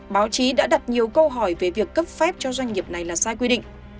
báo chí đã đặt nhiều câu hỏi về việc cấp phép cho doanh nghiệp này là sai quy định